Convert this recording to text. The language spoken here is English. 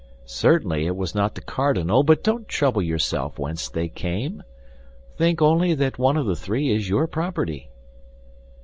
"Certainly it was not the cardinal; but don't trouble yourself whence they come, think only that one of the three is your property."